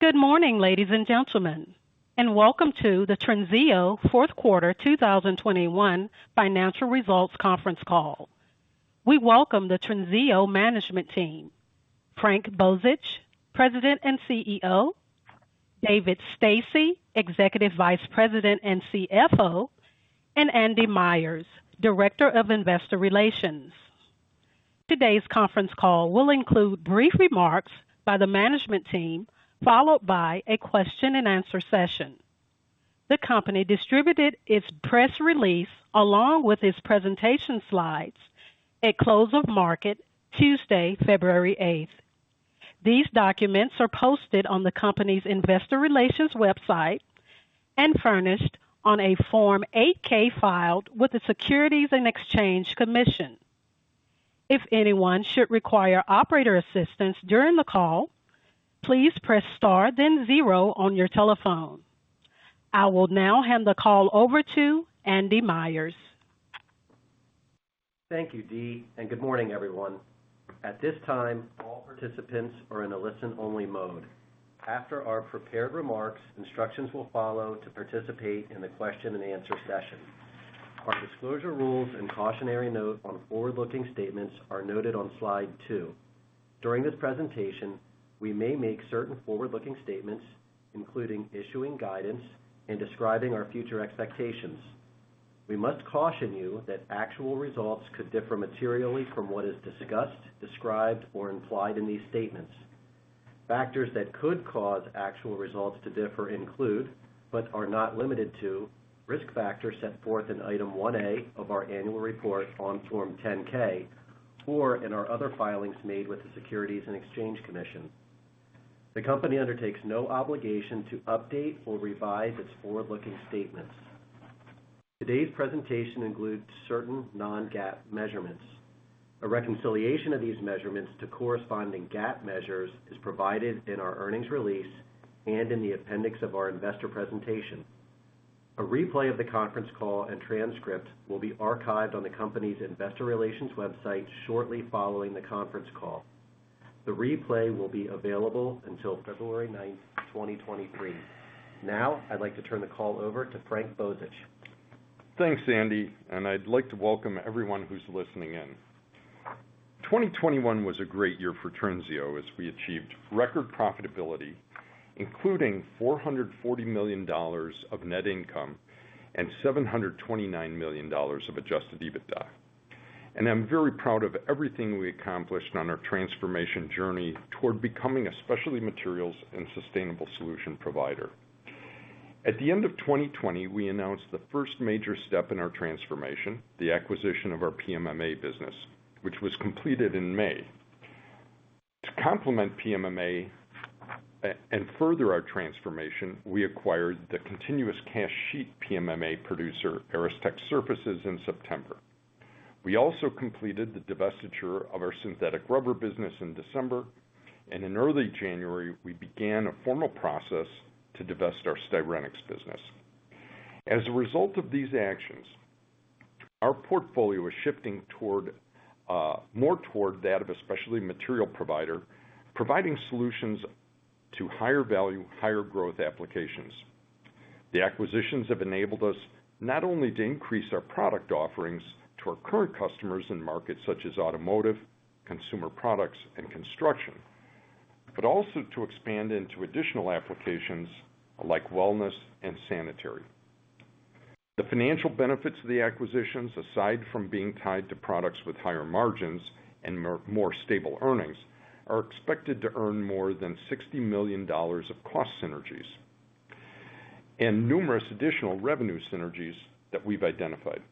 Good morning, ladies and gentlemen, and welcome to the Trinseo Fourth Quarter 2021 Financial Results Conference Call. We welcome the Trinseo management team, Frank Bozich, President and CEO, David Stasse, Executive Vice President and CFO, and Andy Myers, Director of Investor Relations. Today's conference call will include brief remarks by the management team, followed by a question and answer session. The company distributed its press release along with its presentation slides at close of market Tuesday, February 8. These documents are posted on the company's investor relations website and furnished on a Form 8-K filed with the Securities and Exchange Commission. If anyone should require operator assistance during the call, please press star then zero on your telephone. I will now hand the call over to Andy Myers. Thank you, Dee, and good morning, everyone. At this time, all participants are in a listen-only mode. After our prepared remarks, instructions will follow to participate in the question and answer session. Our disclosure rules and cautionary note on forward-looking statements are noted on slide two. During this presentation, we may make certain forward-looking statements, including issuing guidance and describing our future expectations. We must caution you that actual results could differ materially from what is discussed, described, or implied in these statements. Factors that could cause actual results to differ include, but are not limited to, risk factors set forth in Item 1A of our annual report on Form 10-K or in our other filings made with the Securities and Exchange Commission. The company undertakes no obligation to update or revise its forward-looking statements. Today's presentation includes certain non-GAAP measurements. A reconciliation of these measurements to corresponding GAAP measures is provided in our earnings release and in the appendix of our investor presentation. A replay of the conference call and transcript will be archived on the company's investor relations website shortly following the conference call. The replay will be available until February 9th, 2023. Now, I'd like to turn the call over to Frank Bozich. Thanks, Andy, and I'd like to welcome everyone who's listening in. 2021 was a great year for Trinseo as we achieved record profitability, including $440 million of net income and $729 million of adjusted EBITDA. I'm very proud of everything we accomplished on our transformation journey toward becoming a specialty materials and sustainable solution provider. At the end of 2020, we announced the first major step in our transformation, the acquisition of our PMMA business, which was completed in May. To complement PMMA and further our transformation, we acquired the continuous cast sheet PMMA producer, Aristech Surfaces, in September. We also completed the divestiture of our synthetic rubber business in December, and in early January, we began a formal process to divest our Styrenics business. As a result of these actions, our portfolio is shifting more toward that of a specialty material provider, providing solutions to higher value, higher growth applications. The acquisitions have enabled us not only to increase our product offerings to our current customers in markets such as automotive, consumer products, and construction, but also to expand into additional applications like wellness and sanitary. The financial benefits of the acquisitions, aside from being tied to products with higher margins and more stable earnings, are expected to earn more than $60 million of cost synergies and numerous additional revenue synergies that we've identified.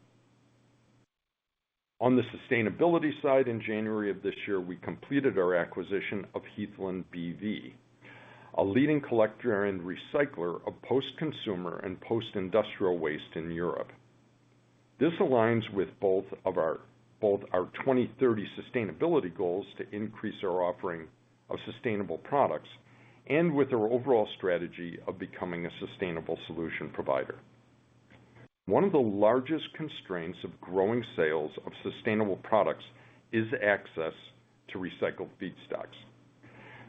On the sustainability side, in January of this year, we completed our acquisition of Heathland B.V., a leading collector and recycler of post-consumer and post-industrial waste in Europe. This aligns with both our 2030 sustainability goals to increase our offering of sustainable products and with our overall strategy of becoming a sustainable solution provider. One of the largest constraints of growing sales of sustainable products is access to recycled feedstocks.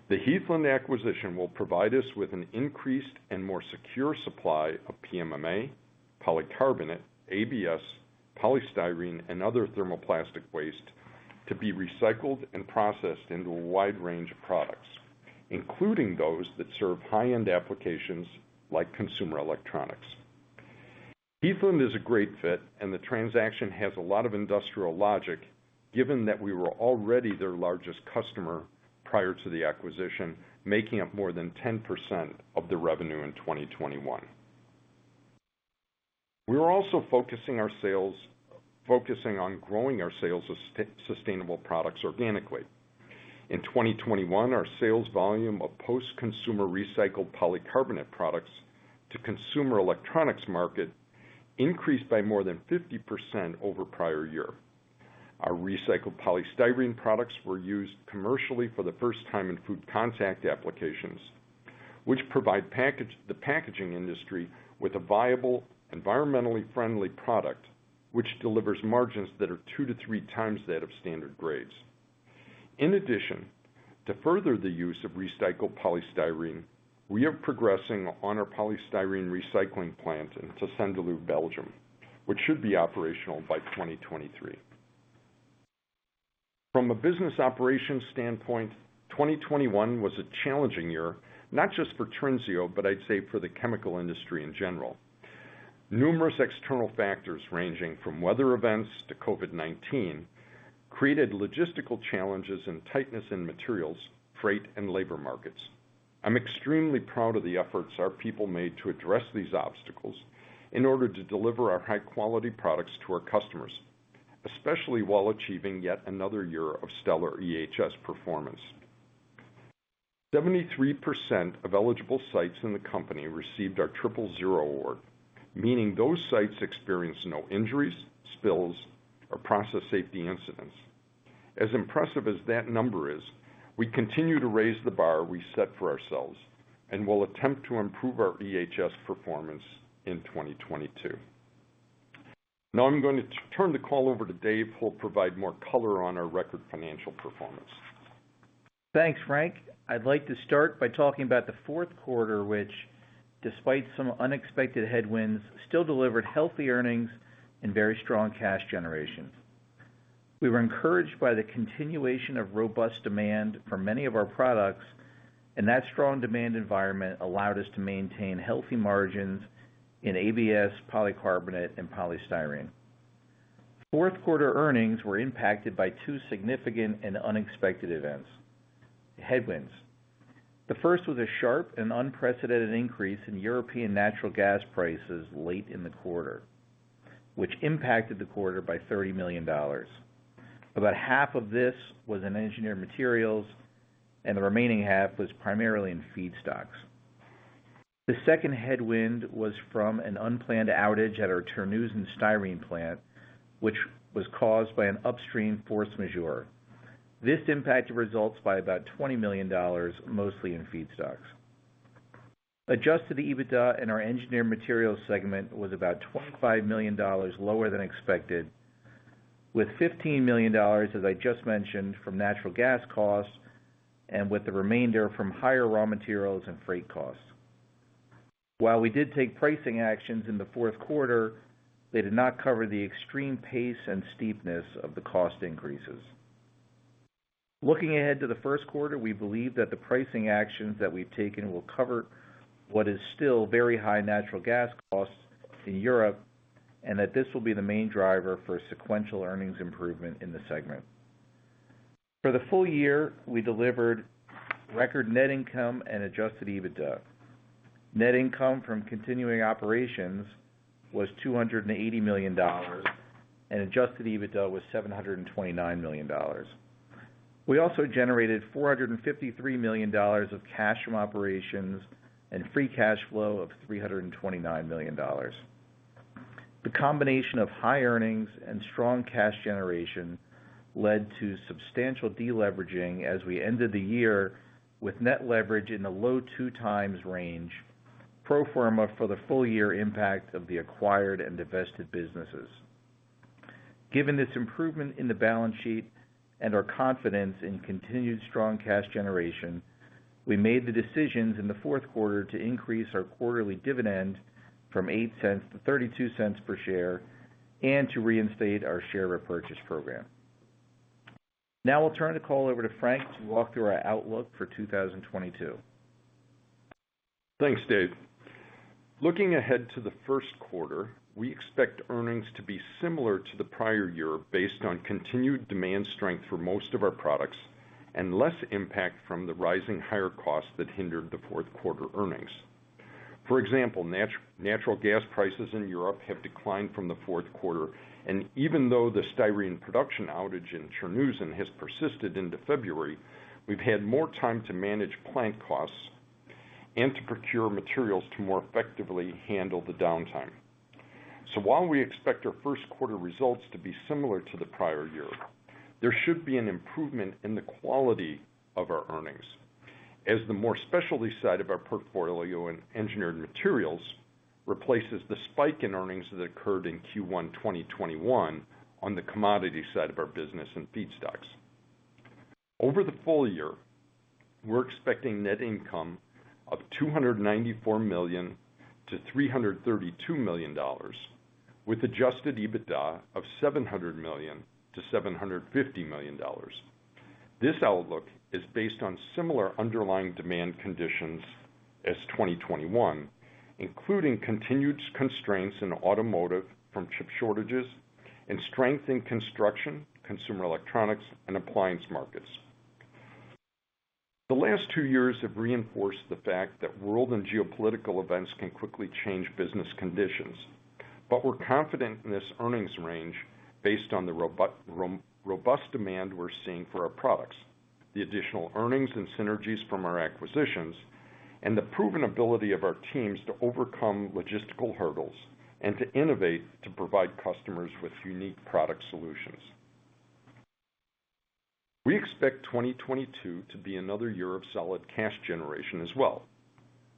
The Heathland acquisition will provide us with an increased and more secure supply of PMMA, polycarbonate, ABS, polystyrene, and other thermoplastic waste to be recycled and processed into a wide range of products, including those that serve high-end applications like consumer electronics. Heathland is a great fit, and the transaction has a lot of industrial logic, given that we were already their largest customer prior to the acquisition, making up more than 10% of the revenue in 2021. We are also focusing on growing our sales of sustainable products organically. In 2021, our sales volume of post-consumer recycled polycarbonate products to consumer electronics market increased by more than 50% over prior year. Our recycled polystyrene products were used commercially for the first time in food contact applications, which provide the packaging industry with a viable, environmentally friendly product, which delivers margins that are 2x-3x that of standard grades. In addition, to further the use of recycled polystyrene, we are progressing on our polystyrene recycling plant in Tessenderlo, Belgium, which should be operational by 2023. From a business operations standpoint, 2021 was a challenging year, not just for Trinseo, but I'd say for the chemical industry in general. Numerous external factors, ranging from weather events to COVID-19, created logistical challenges and tightness in materials, freight, and labor markets. I'm extremely proud of the efforts our people made to address these obstacles in order to deliver our high-quality products to our customers, especially while achieving yet another year of stellar EHS performance. 73% of eligible sites in the company received our Triple Zero Award, meaning those sites experienced no injuries, spills, or process safety incidents. As impressive as that number is, we continue to raise the bar we set for ourselves and will attempt to improve our EHS performance in 2022. Now I'm going to turn the call over to Dave, who'll provide more color on our record financial performance. Thanks, Frank. I'd like to start by talking about the fourth quarter, which despite some unexpected headwinds, still delivered healthy earnings and very strong cash generation. We were encouraged by the continuation of robust demand for many of our products, and that strong demand environment allowed us to maintain healthy margins in ABS, polycarbonate, and polystyrene. Fourth quarter earnings were impacted by two significant and unexpected events, headwinds. The first was a sharp and unprecedented increase in European natural gas prices late in the quarter, which impacted the quarter by $30 million. About half of this was in engineered materials, and the remaining half was primarily in feedstocks. The second headwind was from an unplanned outage at our Terneuzen styrene plant, which was caused by an upstream force majeure. This impacted results by about $20 million, mostly in feedstocks. Adjusted EBITDA in our Engineered Materials segment was about $25 million lower than expected, with $15 million, as I just mentioned, from natural gas costs and with the remainder from higher raw materials and freight costs. While we did take pricing actions in the fourth quarter, they did not cover the extreme pace and steepness of the cost increases. Looking ahead to the first quarter, we believe that the pricing actions that we've taken will cover what is still very high natural gas costs in Europe, and that this will be the main driver for sequential earnings improvement in the segment. For the full year, we delivered record net income and adjusted EBITDA. Net income from continuing operations was $280 million, and adjusted EBITDA was $729 million. We also generated $453 million of cash from operations and free cash flow of $329 million. The combination of high earnings and strong cash generation led to substantial deleveraging as we ended the year with net leverage in the low 2x range, pro forma for the full year impact of the acquired and divested businesses. Given this improvement in the balance sheet and our confidence in continued strong cash generation, we made the decisions in the fourth quarter to increase our quarterly dividend from $0.08-$0.32 per share, and to reinstate our share repurchase program. Now I'll turn the call over to Frank to walk through our outlook for 2022. Thanks, Dave. Looking ahead to the first quarter, we expect earnings to be similar to the prior year based on continued demand strength for most of our products and less impact from the rising higher costs that hindered the fourth quarter earnings. For example, natural gas prices in Europe have declined from the fourth quarter, and even though the styrene production outage in Terneuzen has persisted into February, we've had more time to manage plant costs and to procure materials to more effectively handle the downtime. While we expect our first quarter results to be similar to the prior year, there should be an improvement in the quality of our earnings as the more specialty side of our portfolio in Engineered Materials replaces the spike in earnings that occurred in Q1 2021 on the commodity side of our business and feedstocks. Over the full year, we're expecting net income of $294 million-$332 million with adjusted EBITDA of $700 million-$750 million. This outlook is based on similar underlying demand conditions as 2021, including continued constraints in automotive from chip shortages and strength in construction, consumer electronics, and appliance markets. The last two years have reinforced the fact that world and geopolitical events can quickly change business conditions, but we're confident in this earnings range based on the robust demand we're seeing for our products, the additional earnings and synergies from our acquisitions, and the proven ability of our teams to overcome logistical hurdles and to innovate to provide customers with unique product solutions. We expect 2022 to be another year of solid cash generation as well,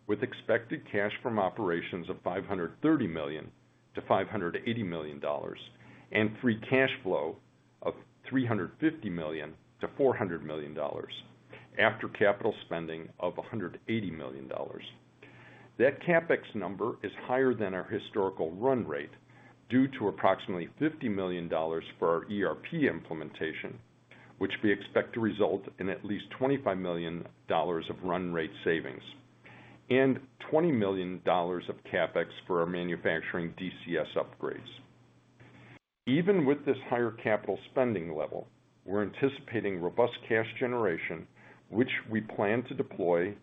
with expected cash from operations of $530 million-$580 million and free cash flow of $350 million-$400 million after capital spending of $180 million. That CapEx number is higher than our historical run rate due to approximately $50 million for our ERP implementation, which we expect to result in at least $25 million of run rate savings and $20 million of CapEx for our manufacturing DCS upgrades. Even with this higher capital spending level, we're anticipating robust cash generation, which we plan to deploy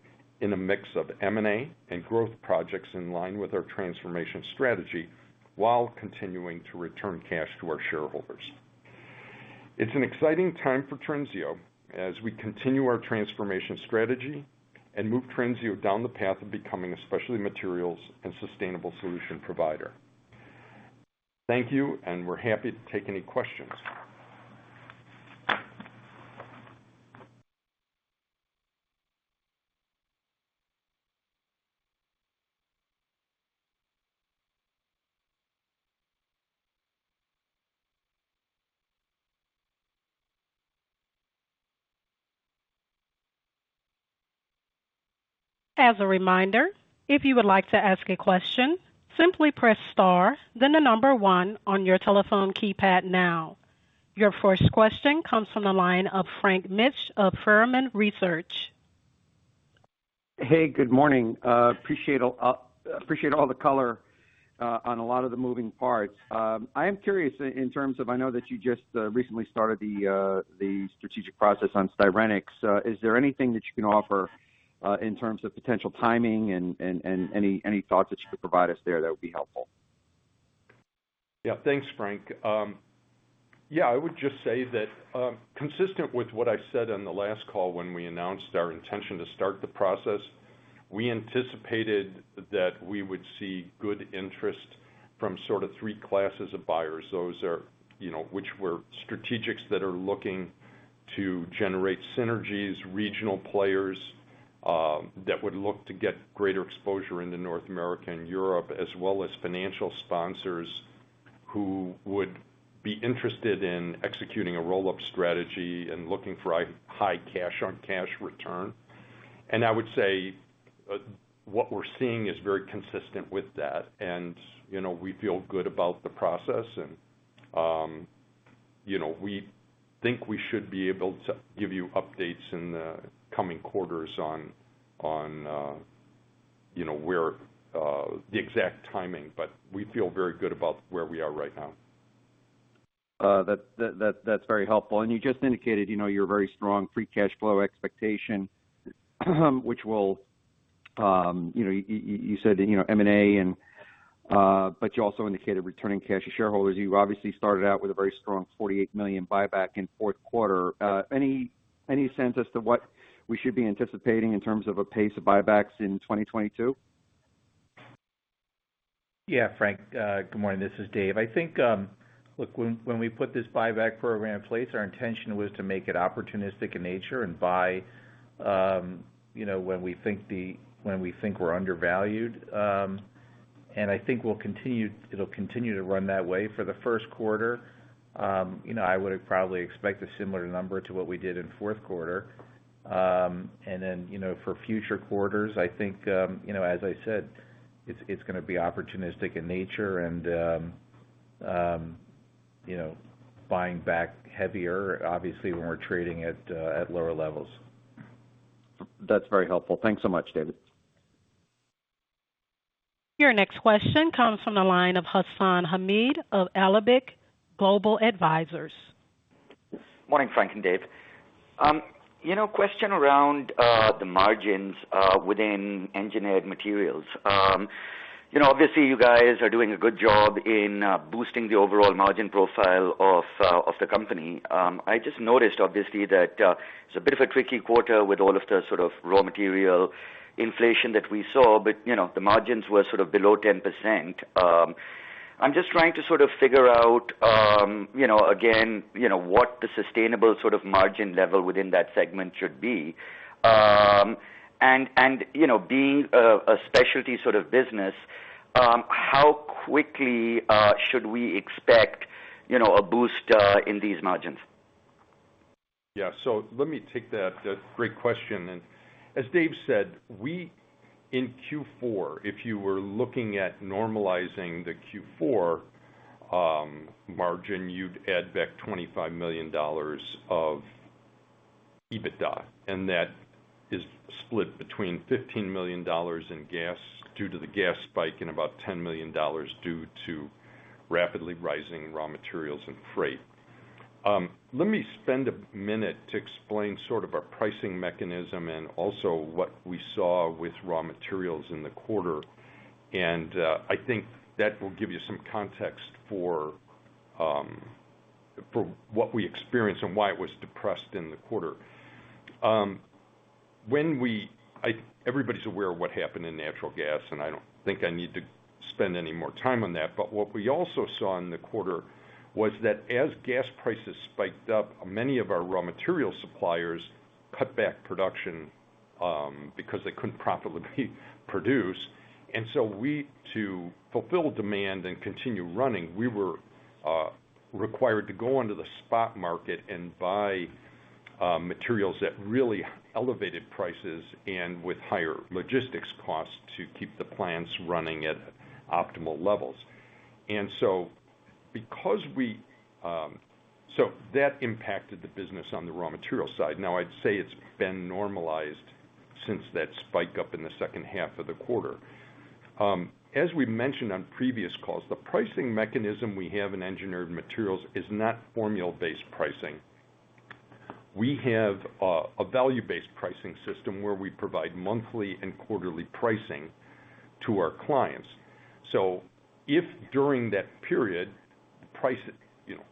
in a mix of M&A and growth projects in line with our transformation strategy while continuing to return cash to our shareholders. It's an exciting time for Trinseo as we continue our transformation strategy and move Trinseo down the path of becoming a specialty materials and sustainable solution provider. Thank you, and we're happy to take any questions. As a reminder, if you would like to ask a question, simply press star, then the number one on your telephone keypad now. Your first question comes from the line of Frank Mitsch of Fermium Research. Hey, good morning. Appreciate all the color on a lot of the moving parts. I am curious in terms of. I know that you just recently started the strategic process on Styrenics. Is there anything that you can offer in terms of potential timing and any thoughts that you could provide us there that would be helpful? Yeah. Thanks, Frank. Yeah, I would just say that, consistent with what I said on the last call when we announced our intention to start the process, we anticipated that we would see good interest from sort of three classes of buyers. Those are, you know, which were strategics that are looking to generate synergies, regional players, that would look to get greater exposure into North America and Europe, as well as financial sponsors who would be interested in executing a roll-up strategy and looking for high cash on cash return. I would say, what we're seeing is very consistent with that. You know, we feel good about the process and, you know, we think we should be able to give you updates in the coming quarters on, you know, where, the exact timing. We feel very good about where we are right now. That's very helpful. You just indicated, you know, your very strong free cash flow expectation. You said, you know, M&A and, but you also indicated returning cash to shareholders. You obviously started out with a very strong $48 million buyback in fourth quarter. Any sense as to what we should be anticipating in terms of a pace of buybacks in 2022? Yeah. Frank, good morning. This is Dave. I think, look, when we put this buyback program in place, our intention was to make it opportunistic in nature and buy, you know, when we think we're undervalued. I think it'll continue to run that way. For the first quarter, you know, I would probably expect a similar number to what we did in fourth quarter. Then, you know, for future quarters, I think, you know, as I said, it's gonna be opportunistic in nature and, you know, buying back heavier, obviously, when we're trading at lower levels. That's very helpful. Thanks so much, David. Your next question comes from the line of Hassan Ahmed of Alembic Global Advisors. Morning, Frank and Dave. You know, question around the margins within Engineered Materials. You know, obviously, you guys are doing a good job in boosting the overall margin profile of the company. I just noticed obviously that it's a bit of a tricky quarter with all of the sort of raw material inflation that we saw, but you know, the margins were sort of below 10%. I'm just trying to sort of figure out, you know, again, you know, what the sustainable sort of margin level within that segment should be. You know, being a specialty sort of business, how quickly should we expect, you know, a boost in these margins? Yeah. Let me take that. Great question. As Dave said, in Q4 if you were looking at normalizing the Q4 margin, you'd add back $25 million of EBITDA, and that is split between $15 million in gas due to the gas spike and about $10 million due to rapidly rising raw materials and freight. Let me spend a minute to explain sort of our pricing mechanism and also what we saw with raw materials in the quarter. I think that will give you some context for what we experienced and why it was depressed in the quarter. Everybody's aware of what happened in natural gas, and I don't think I need to spend any more time on that. What we also saw in the quarter was that as gas prices spiked up, many of our raw material suppliers cut back production because they couldn't profitably produce. To fulfill demand and continue running, we were required to go onto the spot market and buy materials at really elevated prices and with higher logistics costs to keep the plants running at optimal levels. That impacted the business on the raw material side. Now, I'd say it's been normalized since that spike up in the second half of the quarter. As we mentioned on previous calls, the pricing mechanism we have in engineered materials is not formula-based pricing. We have a value-based pricing system where we provide monthly and quarterly pricing to our clients. If during that period, the price, you know,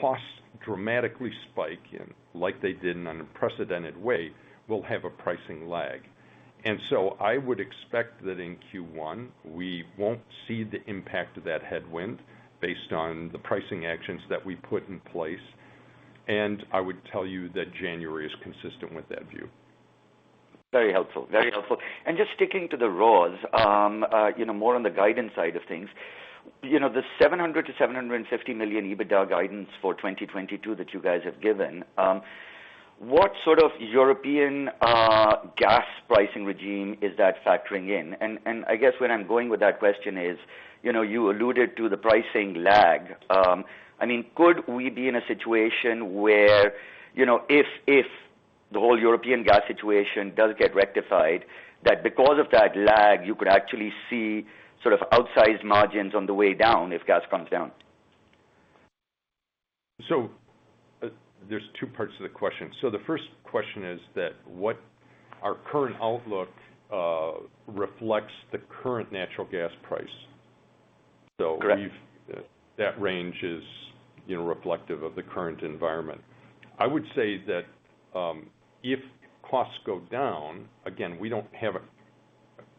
costs dramatically spike and like they did in an unprecedented way, we'll have a pricing lag. I would expect that in Q1, we won't see the impact of that headwind based on the pricing actions that we put in place. I would tell you that January is consistent with that view. Very helpful. Just sticking to the raws, you know, more on the guidance side of things. You know, the $700 million-$750 million EBITDA guidance for 2022 that you guys have given, what sort of European gas pricing regime is that factoring in? I guess where I'm going with that question is, you know, you alluded to the pricing lag. I mean, could we be in a situation where, you know, if the whole European gas situation does get rectified, that because of that lag, you could actually see sort of outsized margins on the way down if gas comes down? There's two parts to the question. The first question is that what our current outlook reflects the current natural gas price. Correct. That range is, you know, reflective of the current environment. I would say that, if costs go down, again, we don't have a,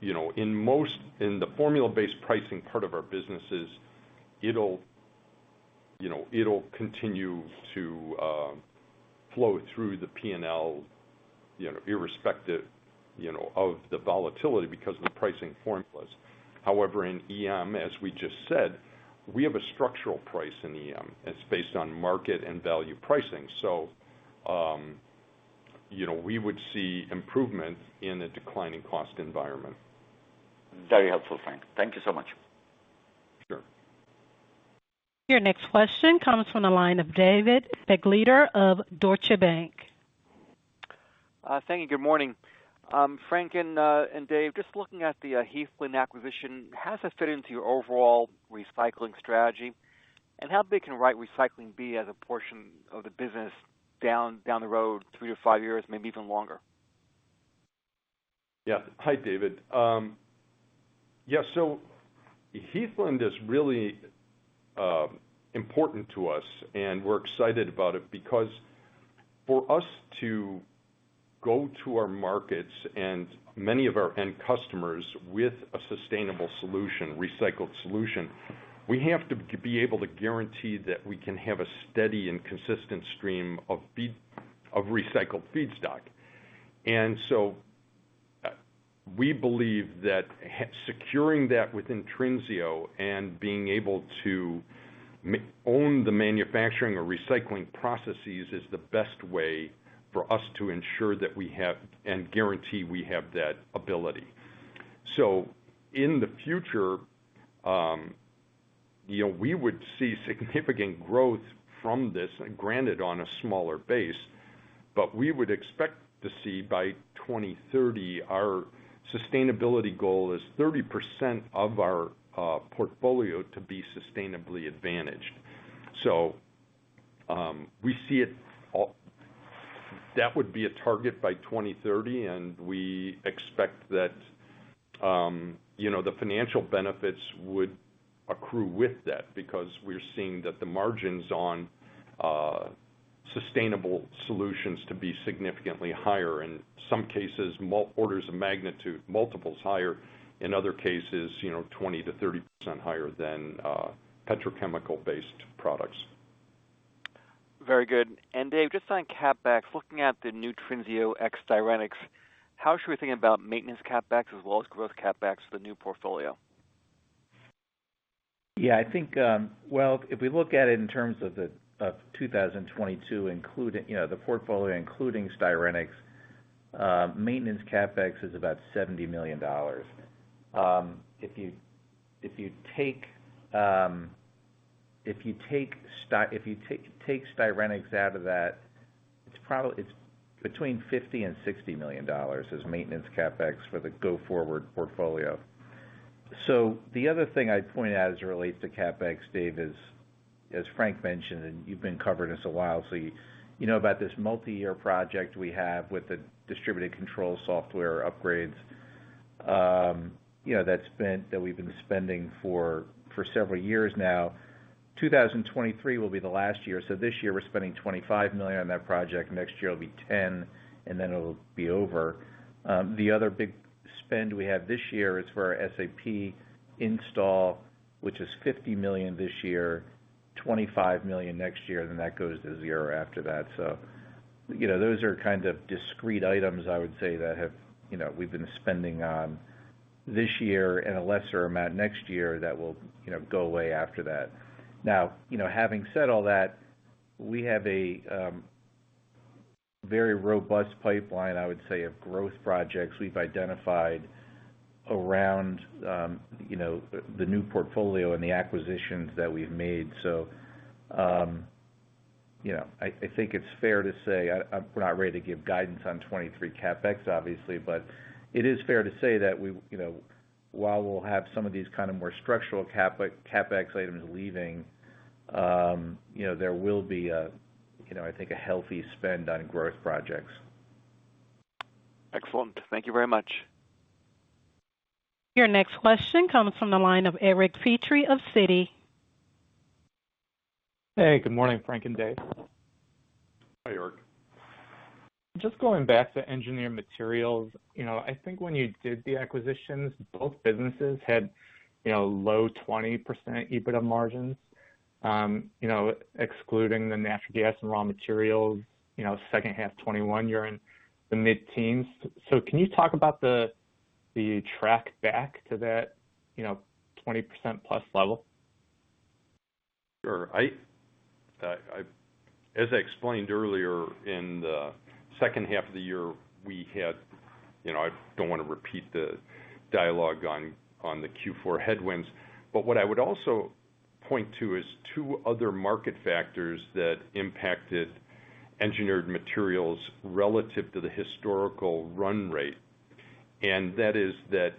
you know, in the formula-based pricing part of our businesses, it'll, you know, it'll continue to, flow through the P&L, you know, irrespective, you know, of the volatility because of the pricing formulas. However, in EM, as we just said, we have a structural price in EM. It's based on market and value pricing. We would see improvement in a declining cost environment. Very helpful, Frank. Thank you so much. Sure. Your next question comes from the line of David Begleiter of Deutsche Bank. Thank you. Good morning. Frank and Dave, just looking at the Heathland acquisition, how does that fit into your overall recycling strategy? How big can recycling be as a portion of the business down the road, 3-5 years, maybe even longer? Yeah. Hi, David. Heathland is really important to us, and we're excited about it because for us to go to our markets and many of our end customers with a sustainable solution, recycled solution, we have to be able to guarantee that we can have a steady and consistent stream of recycled feedstock. We believe that securing that within Trinseo and being able to own the manufacturing or recycling processes is the best way for us to ensure that we have, and guarantee we have that ability. In the future, you know, we would see significant growth from this, granted on a smaller base, but we would expect to see by 2030, our sustainability goal is 30% of our portfolio to be sustainably advantaged. That would be a target by 2030, and we expect that, you know, the financial benefits would accrue with that because we're seeing that the margins on sustainable solutions to be significantly higher. In some cases, multiples higher. In other cases, you know, 20%-30% higher than petrochemical-based products. Very good. Dave, just on CapEx, looking at the new Trinseo ex-Styrenics, how should we think about maintenance CapEx as well as growth CapEx for the new portfolio? I think, well, if we look at it in terms of the of 2022, including, you know, the portfolio including Styrenics, maintenance CapEx is about $70 million. If you take Styrenics out of that, it's between $50 million and $60 million is maintenance CapEx for the go-forward portfolio. The other thing I'd point out as it relates to CapEx, Dave, is, as Frank mentioned, and you've been covering us a while, so you know about this multi-year project we have with the distributed control system upgrades. You know, that we've been spending for several years now. 2023 will be the last year. This year we're spending $25 million on that project. Next year will be $10 million, and then it'll be over. The other big spend we have this year is for our SAP install, which is $50 million this year, $25 million next year, then that goes to zero after that. You know, those are kind of discrete items, I would say, that have, you know, we've been spending on this year and a lesser amount next year that will, you know, go away after that. Now, you know, having said all that, we have a very robust pipeline, I would say, of growth projects we've identified around, you know, the new portfolio and the acquisitions that we've made. I think it's fair to say I'm not ready to give guidance on 2023 CapEx, obviously, but it is fair to say that we, you know, while we'll have some of these kind of more structural CapEx items leaving, you know, there will be a, you know, I think a healthy spend on growth projects. Excellent. Thank you very much. Your next question comes from the line of Eric Petrie of Citi. Hey, good morning, Frank and Dave. Hi, Eric. Just going back to Engineered Materials. You know, I think when you did the acquisitions, both businesses had, you know, low 20% EBITDA margins. You know, excluding the natural gas and raw materials, you know, second half 2021, you're in the mid-teens. Can you talk about the road back to that, you know, 20%+ level? Sure. As I explained earlier in the second half of the year. You know, I don't wanna repeat the dialogue on the Q4 headwinds, but what I would also point to is two other market factors that impacted Engineered Materials relative to the historical run rate. That is that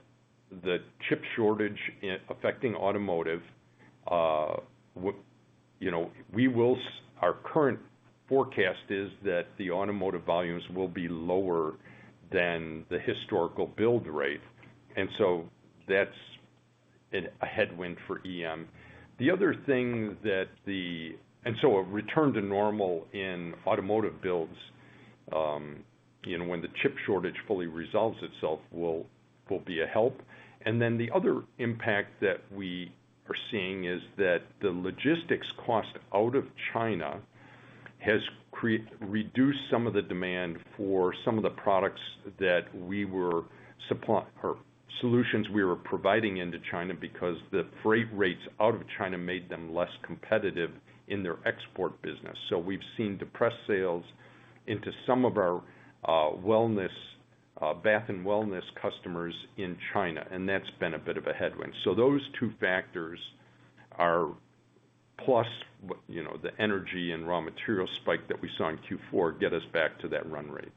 the chip shortage is affecting automotive. You know, our current forecast is that the automotive volumes will be lower than the historical build rate, and so that's a headwind for EM. The other thing, a return to normal in automotive builds, you know, when the chip shortage fully resolves itself will be a help. The other impact that we are seeing is that the logistics cost out of China has reduced some of the demand for some of the products that we were or solutions we were providing into China because the freight rates out of China made them less competitive in their export business. We've seen depressed sales into some of our wellness, bath and wellness customers in China, and that's been a bit of a headwind. Those two factors are plus, you know, the energy and raw material spike that we saw in Q4 get us back to that run rate.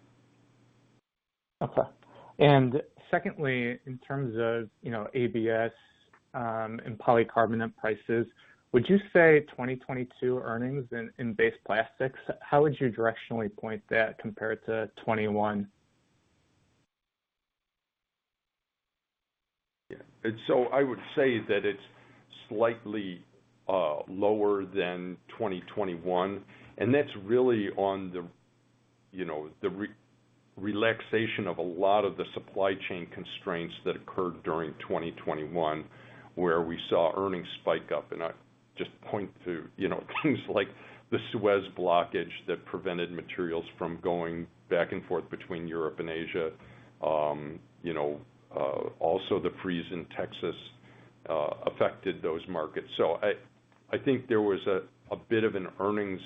Okay. Secondly, in terms of, you know, ABS and polycarbonate prices, would you say 2022 earnings in base plastics, how would you directionally point that compared to 2021? Yeah. I would say that it's slightly lower than 2021, and that's really on the, you know, the relaxation of a lot of the supply chain constraints that occurred during 2021, where we saw earnings spike up. I just point to, you know, things like the Suez blockage that prevented materials from going back and forth between Europe and Asia. You know, also the freeze in Texas affected those markets. I think there was a bit of an earnings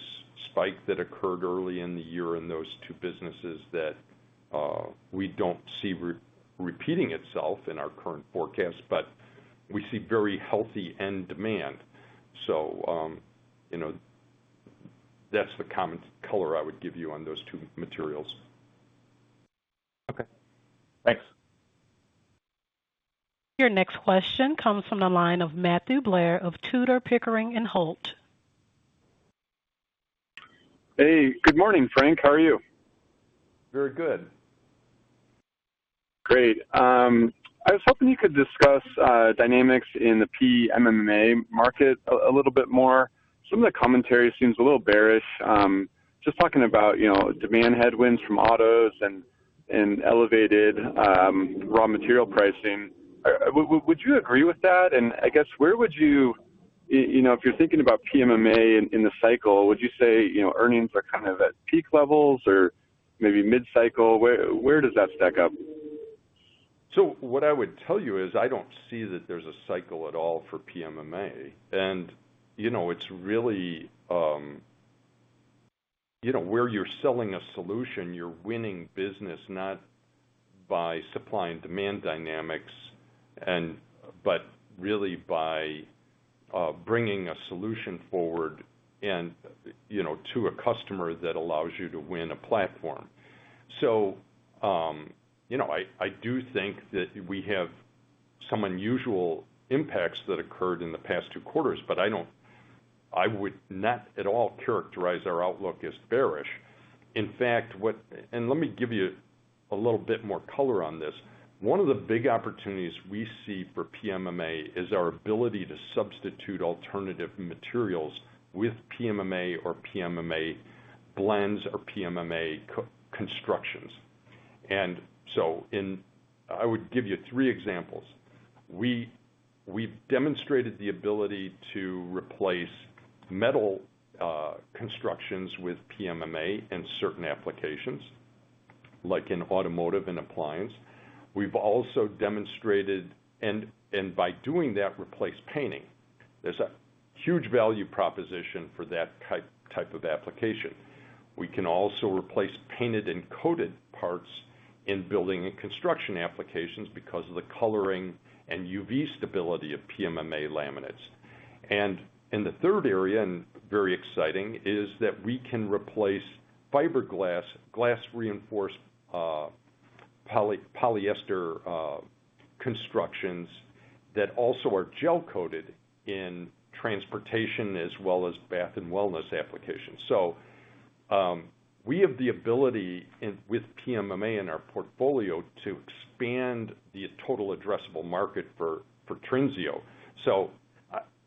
spike that occurred early in the year in those two businesses that we don't see repeating itself in our current forecast, but we see very healthy end demand. You know, that's the common color I would give you on those two materials. Okay. Thanks. Your next question comes from the line of Matthew Blair of Tudor, Pickering, and Holt. Hey, good morning, Frank. How are you? Very good. Great. I was hoping you could discuss dynamics in the PMMA market a little bit more. Some of the commentary seems a little bearish. Just talking about, you know, demand headwinds from autos and elevated raw material pricing. Would you agree with that? I guess where would you know, if you're thinking about PMMA in the cycle, would you say, you know, earnings are kind of at peak levels or maybe mid-cycle? Where does that stack up? What I would tell you is I don't see that there's a cycle at all for PMMA. You know, it's really, you know, where you're selling a solution. You're winning business not by supply and demand dynamics, but really by bringing a solution forward and, you know, to a customer that allows you to win a platform. You know, I do think that we have some unusual impacts that occurred in the past two quarters. I would not at all characterize our outlook as bearish. In fact, let me give you a little bit more color on this. One of the big opportunities we see for PMMA is our ability to substitute alternative materials with PMMA or PMMA blends or PMMA co-constructions. I would give you three examples. We've demonstrated the ability to replace metal constructions with PMMA in certain applications, like in automotive and appliance. We've also by doing that replace painting. There's a huge value proposition for that type of application. We can also replace painted and coated parts in building and construction applications because of the coloring and UV stability of PMMA laminates. In the third area, and very exciting, is that we can replace fiberglass, glass-reinforced polyester constructions that also are gel coated in transportation as well as bath and wellness applications. We have the ability with PMMA in our portfolio to expand the total addressable market for Trinseo.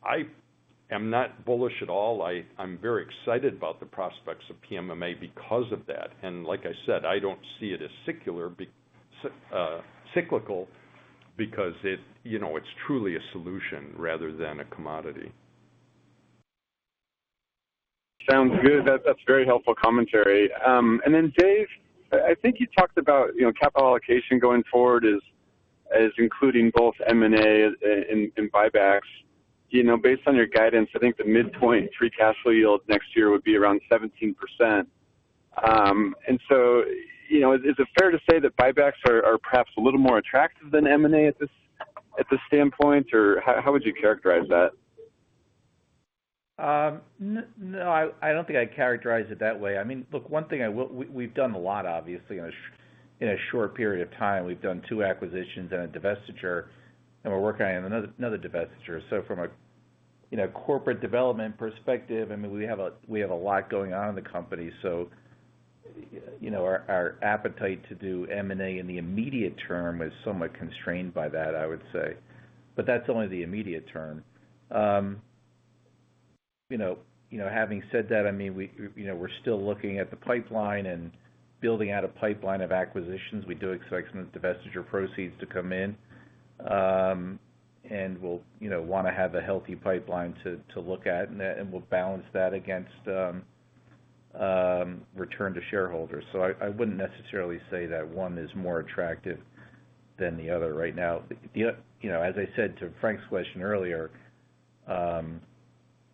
I am not bullish at all. I'm very excited about the prospects of PMMA because of that. Like I said, I don't see it as cyclical because it, you know, it's truly a solution rather than a commodity. Sounds good. That's very helpful commentary. Dave, I think you talked about, you know, capital allocation going forward as including both M&A and buybacks. You know, based on your guidance, I think the midpoint free cash flow yield next year would be around 17%. You know, is it fair to say that buybacks are perhaps a little more attractive than M&A at this standpoint? How would you characterize that? No, I don't think I'd characterize it that way. I mean, look, we've done a lot, obviously, in a short period of time. We've done two acquisitions and a divestiture, and we're working on another divestiture. From a corporate development perspective, I mean, we have a lot going on in the company. You know, our appetite to do M&A in the immediate term is somewhat constrained by that, I would say. That's only the immediate term. You know, having said that, I mean, we're still looking at the pipeline and building out a pipeline of acquisitions. We do expect some of the divestiture proceeds to come in, and we'll, you know, wanna have a healthy pipeline to look at, and we'll balance that against return to shareholders. I wouldn't necessarily say that one is more attractive than the other right now. You know, as I said to Frank's question earlier, you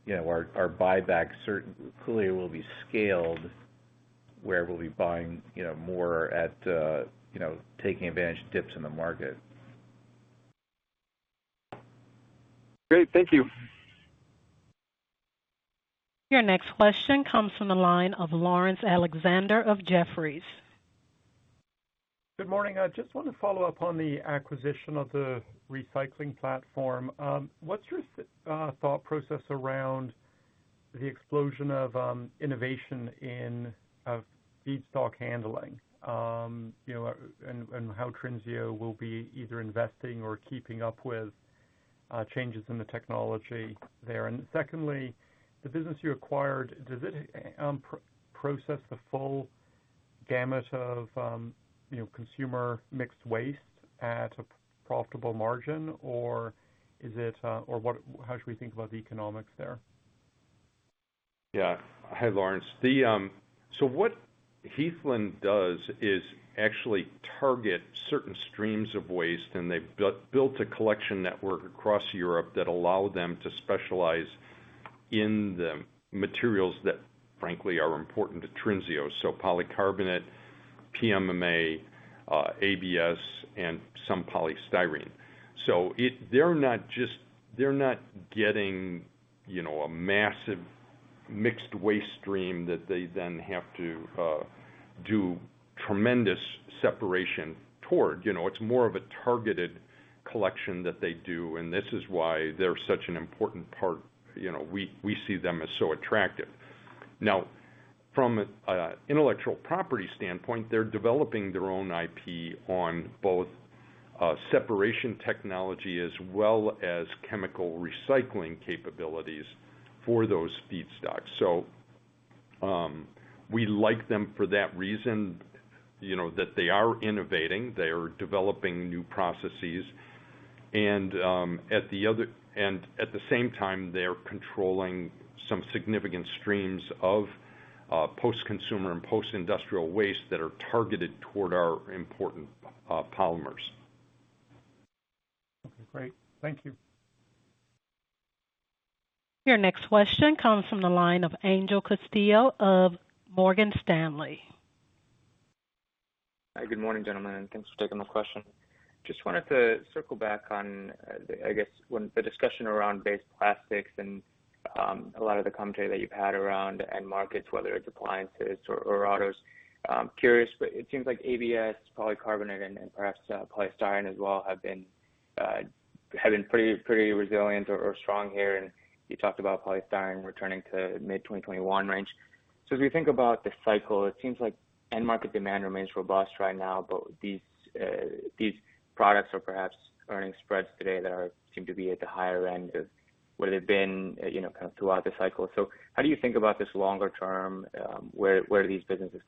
know, our buyback certainly will be scaled, where we'll be buying, you know, more at, you know, taking advantage of dips in the market. Great. Thank you. Your next question comes from the line of Laurence Alexander of Jefferies. Good morning. I just want to follow up on the acquisition of the recycling platform. What's your thought process around the explosion of innovation in feedstock handling? You know, and how Trinseo will be either investing or keeping up with changes in the technology there. And secondly, the business you acquired, does it process the full gamut of you know, consumer mixed waste at a profitable margin? Or how should we think about the economics there? Yeah. Hi, Laurence. What Heathland does is actually target certain streams of waste, and they've built a collection network across Europe that allow them to specialize in the materials that, frankly, are important to Trinseo. Polycarbonate, PMMA, ABS, and some polystyrene. They're not getting, you know, a massive mixed waste stream that they then have to do tremendous separation toward. You know, it's more of a targeted collection that they do, and this is why they're such an important part. You know, we see them as so attractive. Now, from an intellectual property standpoint, they're developing their own IP on both separation technology as well as chemical recycling capabilities for those feedstocks. We like them for that reason, you know, that they are innovating, they are developing new processes, and at the same time, they're controlling some significant streams of post-consumer and post-industrial waste that are targeted toward our important polymers. Okay, great. Thank you. Your next question comes from the line of Angel Castillo of Morgan Stanley. Hi. Good morning, gentlemen, and thanks for taking my question. Just wanted to circle back on, I guess, when the discussion around base plastics and a lot of the commentary that you've had around end markets, whether it's appliances or autos. Curious, but it seems like ABS, polycarbonate, and perhaps polystyrene as well have been pretty resilient or strong here. You talked about polystyrene returning to mid-2021 range. As we think about the cycle, it seems like end market demand remains robust right now. These products are perhaps earning spreads today that seem to be at the higher end of where they've been, you know, kind of throughout the cycle. How do you think about this longer term, where these businesses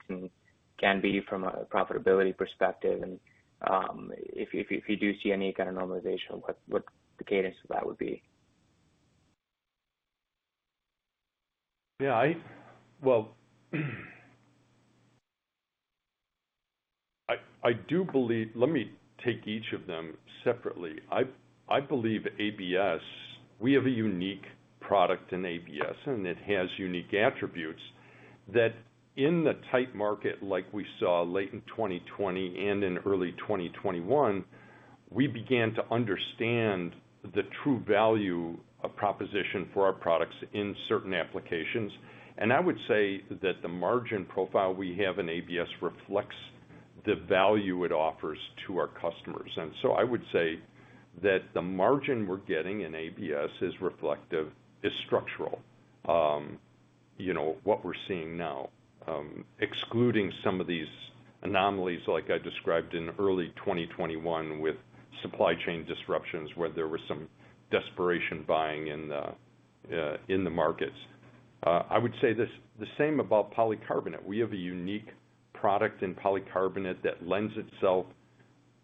can be from a profitability perspective? If you do see any kind of normalization, what the cadence of that would be? Well, I do believe. Let me take each of them separately. I believe ABS, we have a unique product in ABS, and it has unique attributes that in the tight market like we saw late in 2020 and in early 2021, we began to understand the true value proposition for our products in certain applications. I would say that the margin profile we have in ABS reflects the value it offers to our customers. I would say that the margin we're getting in ABS is reflective, structural. You know, what we're seeing now, excluding some of these anomalies like I described in early 2021 with supply chain disruptions, where there was some desperation buying in the markets. I would say the same about polycarbonate. We have a unique product in polycarbonate that lends itself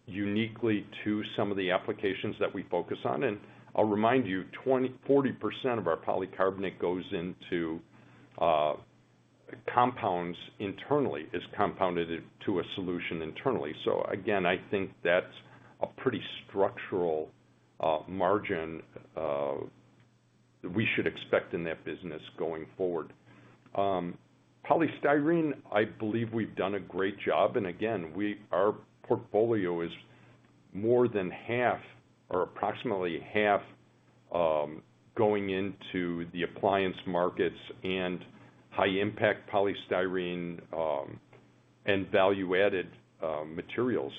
uniquely to some of the applications that we focus on. I'll remind you, 20%-40% of our polycarbonate goes into compounds internally, is compounded into a solution internally. Again, I think that's a pretty structural margin that we should expect in that business going forward. Polystyrene, I believe we've done a great job. Again, our portfolio is more than half or approximately half going into the appliance markets and high impact polystyrene and value-added materials.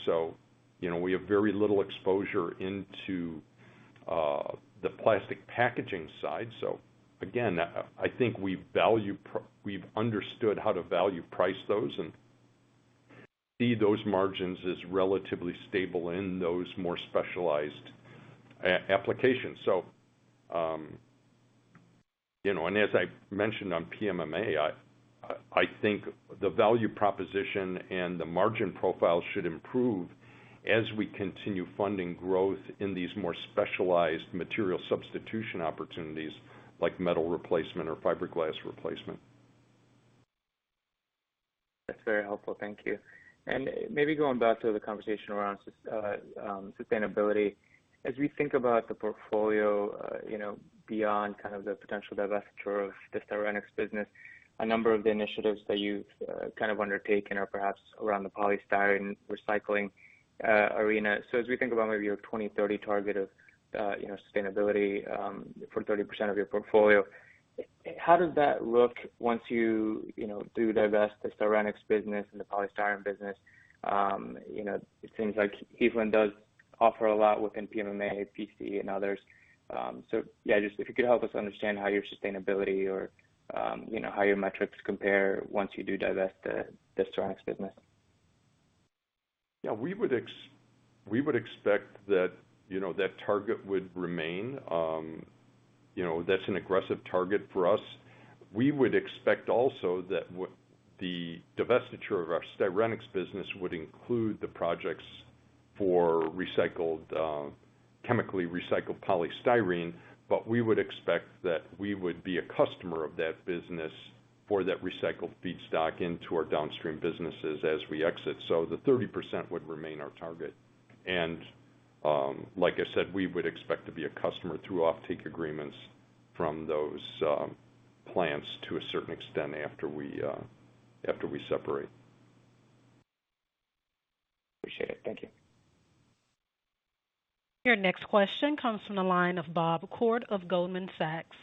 You know, we have very little exposure into the plastic packaging side. Again, I think we've understood how to value price those and see those margins as relatively stable in those more specialized applications. You know, and as I mentioned on PMMA, I think the value proposition and the margin profile should improve as we continue funding growth in these more specialized material substitution opportunities, like metal replacement or fiberglass replacement. That's very helpful. Thank you. Maybe going back to the conversation around sustainability. As we think about the portfolio, you know, beyond kind of the potential divestiture of the Styrenics business, a number of the initiatives that you've kind of undertaken are perhaps around the polystyrene recycling arena. So as we think about maybe your 2030 target of, you know, sustainability, for 30% of your portfolio, how does that look once you know, do divest the Styrenics business and the polystyrene business? It seems like Eastman does offer a lot within PMMA, PC, and others. So yeah, just if you could help us understand how your sustainability or, you know, how your metrics compare once you do divest the Styrenics business. Yeah. We would expect that, you know, that target would remain. You know, that's an aggressive target for us. We would expect also that the divestiture of our Styrenics business would include the projects for recycled, chemically recycled polystyrene, but we would expect that we would be a customer of that business for that recycled feedstock into our downstream businesses as we exit. The 30% would remain our target. Like I said, we would expect to be a customer through offtake agreements from those plants to a certain extent after we separate. Appreciate it. Thank you. Your next question comes from the line of Bob Koort of Goldman Sachs.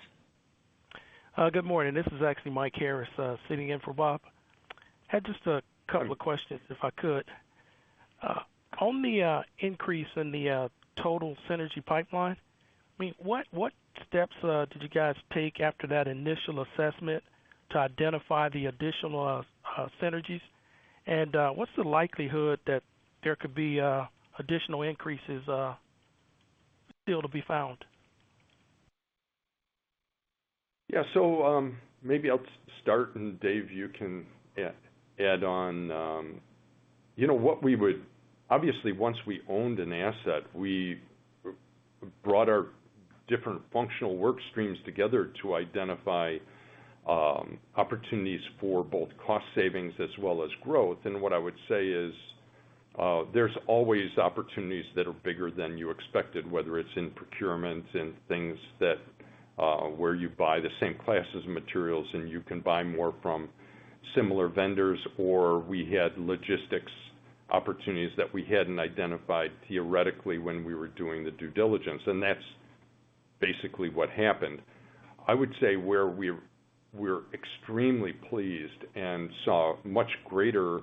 Good morning. This is actually Mike Harris sitting in for Bob. I had just a couple of questions, if I could. On the increase in the total synergy pipeline, I mean, what steps did you guys take after that initial assessment to identify the additional synergies? What's the likelihood that there could be additional increases still to be found? Maybe I'll start, and Dave, you can add on. You know, obviously, once we owned an asset, we brought our different functional work streams together to identify opportunities for both cost savings as well as growth. What I would say is, there's always opportunities that are bigger than you expected, whether it's in procurement and things that where you buy the same classes of materials, and you can buy more from similar vendors, or we had logistics opportunities that we hadn't identified theoretically when we were doing the due diligence, and that's basically what happened. I would say where we're extremely pleased and saw much greater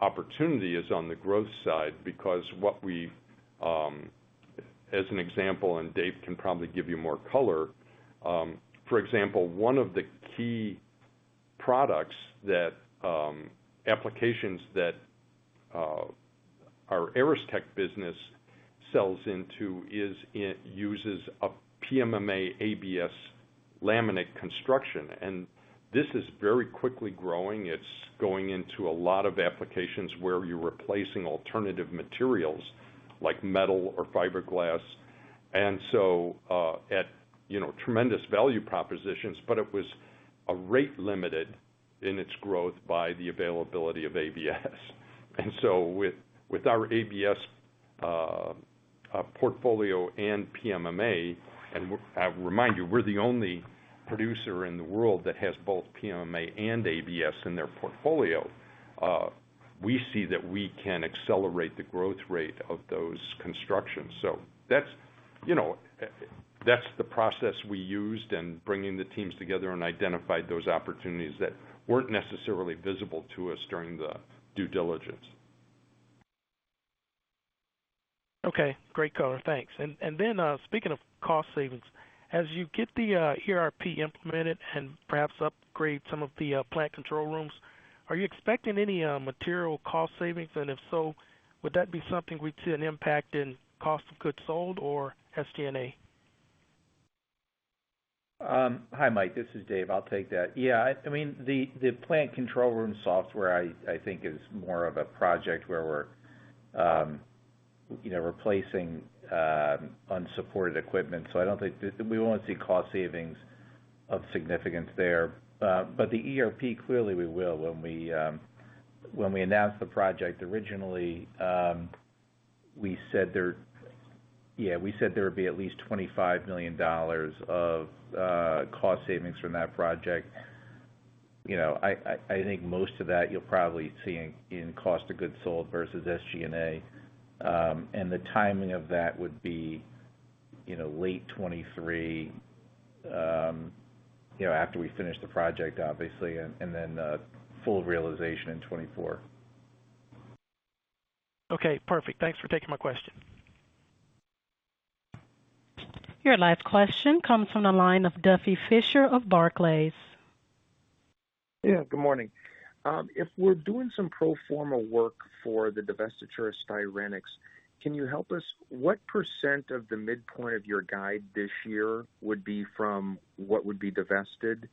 opportunity is on the growth side, because what we as an example, and Dave can probably give you more color. For example, one of the key applications that our Aristech business sells into is, it uses a PMMA ABS laminate construction. This is very quickly growing. It's going into a lot of applications where you're replacing alternative materials like metal or fiberglass, and so, you know, at tremendous value propositions, but it was rate limited in its growth by the availability of ABS. With our ABS portfolio and PMMA, and I remind you, we're the only producer in the world that has both PMMA and ABS in their portfolio. We see that we can accelerate the growth rate of those constructions. That's, you know, that's the process we used in bringing the teams together and identified those opportunities that weren't necessarily visible to us during the due diligence. Okay, great color. Thanks. Speaking of cost savings, as you get the ERP implemented and perhaps upgrade some of the plant control rooms, are you expecting any material cost savings? If so, would that be something we'd see an impact in cost of goods sold or SG&A? Hi, Mike, this is Dave. I'll take that. Yeah, I mean, the plant control room software, I think is more of a project where we're you know, replacing unsupported equipment. So I don't think that we won't see cost savings of significance there. But the ERP, clearly we will. When we announced the project originally, we said there would be at least $25 million of cost savings from that project. You know, I think most of that you'll probably see in cost of goods sold versus SG&A. And the timing of that would be you know, late 2023, you know, after we finish the project, obviously, and then full realization in 2024. Okay, perfect. Thanks for taking my question. Your last question comes from the line of Duffy Fischer of Barclays. Yeah, good morning. If we're doing some pro forma work for the divestiture of Styrenics, can you help us? What percent of the midpoint of your guide this year would be from what would be divested?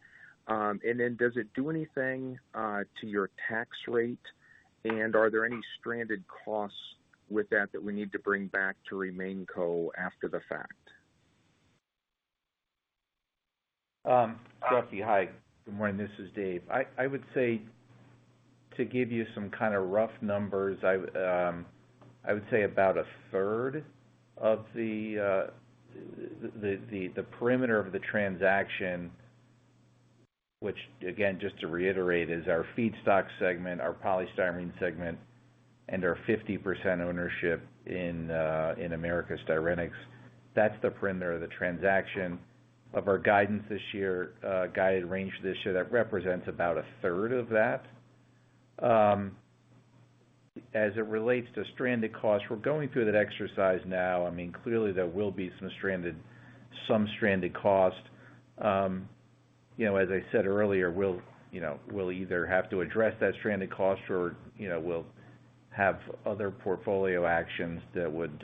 And then does it do anything to your tax rate? And are there any stranded costs with that that we need to bring back to RemainCo after the fact? Duffy, hi. Good morning. This is Dave. I would say, to give you some kind of rough numbers, about 1/3 of the perimeter of the transaction, which again, just to reiterate, is our feedstock segment, our polystyrene segment, and our 50% ownership in Americas Styrenics. That's the perimeter of the transaction of our guidance this year, guided range this year. That represents about 1/3 of that. As it relates to stranded costs, we're going through that exercise now. I mean, clearly, there will be some stranded cost. You know, as I said earlier, we'll either have to address that stranded cost or, you know, we'll have other portfolio actions that would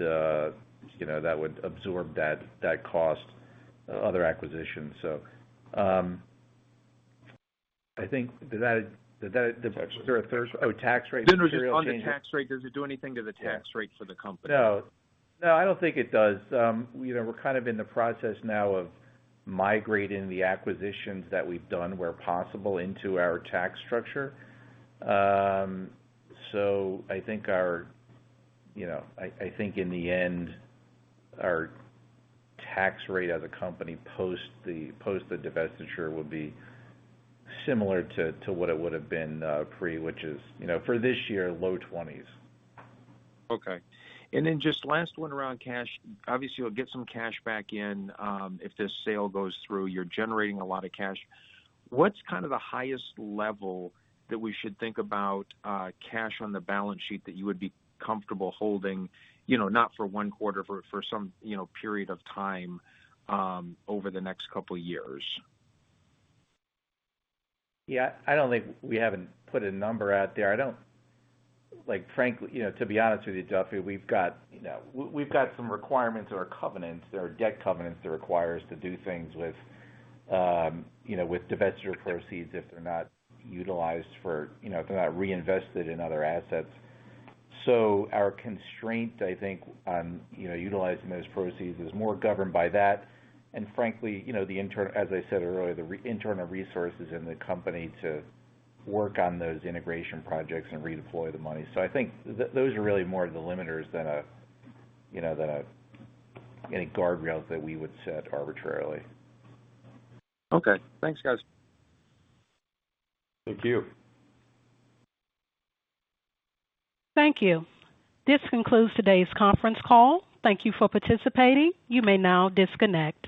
absorb that cost, other acquisitions. I think that tax rate. Just on the tax rate, does it do anything to the tax rate for the company? No, I don't think it does. You know, we're kind of in the process now of migrating the acquisitions that we've done, where possible, into our tax structure. I think, you know, I think in the end, our tax rate as a company post the divestiture would be similar to what it would have been pre, which is, you know, for this year, low 20s%. Okay. Just last one around cash. Obviously, you'll get some cash back in if this sale goes through. You're generating a lot of cash. What's kind of the highest level that we should think about cash on the balance sheet that you would be comfortable holding, you know, not for one quarter, for some, you know, period of time over the next couple years? Yeah. I don't think we haven't put a number out there. Like, frankly, you know, to be honest with you, Duffy, we've got, you know, we've got some requirements or covenants that are debt covenants that require us to do things with, you know, with divestiture proceeds if they're not utilized for, you know, if they're not reinvested in other assets. Our constraint, I think on, you know, utilizing those proceeds is more governed by that. Frankly, you know, as I said earlier, the internal resources in the company to work on those integration projects and redeploy the money. I think those are really more the limiters than any guardrails that we would set arbitrarily. Okay. Thanks, guys. Thank you. Thank you. This concludes today's conference call. Thank you for participating. You may now disconnect.